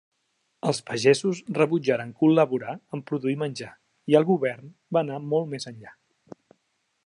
Els pagesos rebutjaren col·laborar en produir menjar, i el govern va anar molt més enllà.